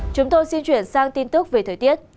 chúng tôi xin chuyển sang tin tức về thời tiết